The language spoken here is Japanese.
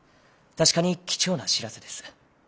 確かに貴重な知らせです。